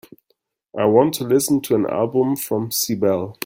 I want to listen to an album from Sibel.